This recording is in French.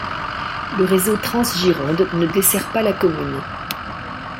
Le réseau Trans Gironde ne dessert pas la commune.